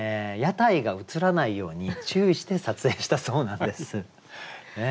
屋台が映らないように注意して撮影したそうなんです。